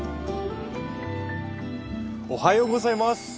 おはようございます。